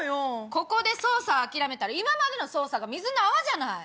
ここで捜査を諦めたら今までの捜査が水の泡じゃない！